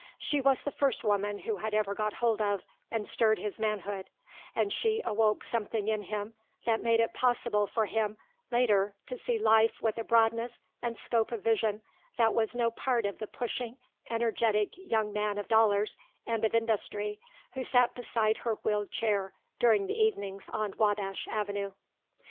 She was the first woman who ever got hold of and stirred his manhood, and she awoke something in him that made it possible for him later to see life with a broadness and scope of vision that was no part of the pushing, energetic young man of dollars and of industry who sat beside her wheeled chair during the evenings on Wabash Avenue.